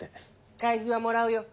会費はもらうよ。